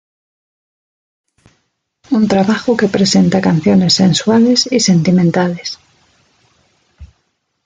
Un trabajo que presenta canciones sensuales y sentimentales.